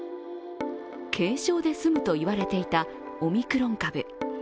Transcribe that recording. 軽症で済むと言われていたオミクロン株。